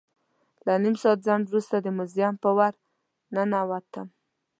له نیم ساعت ځنډ وروسته د موزیم په ور ننوتم.